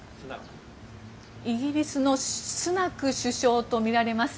イギリスのスナク首相とみられます。